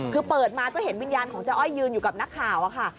คือเปิดมาก็เห็นวิญญาณของเจ๊อ้อยยืนอยู่กับนักข่าวอะค่ะ